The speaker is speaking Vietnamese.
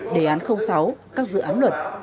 đề án sáu các dự án luật